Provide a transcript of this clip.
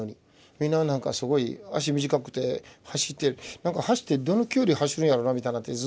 みんななんかすごい足短くて走って走ってどの距離走るんやろなみたいになってずっと見てて。